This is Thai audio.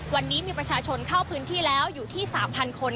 วันนี้มีประชาชนเข้าพื้นที่แล้วอยู่ที่๓๐๐คน